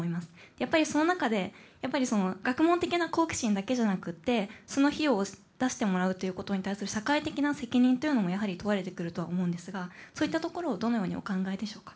やっぱりその中で学問的な好奇心だけじゃなくてその費用を出してもらうということに対する社会的な責任というのもやはり問われてくるとは思うんですがそういったところをどのようにお考えでしょうか？